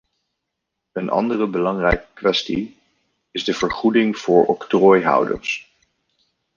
Een andere belangrijke kwestie is de vergoeding voor octrooihouders.